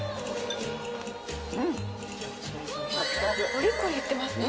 コリコリいってますね。